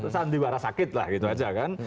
sandiwara sakit lah gitu aja kan